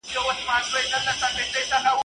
د صبر کاسه درنه ده.